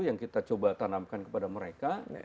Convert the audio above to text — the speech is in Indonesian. yang kita coba tanamkan kepada mereka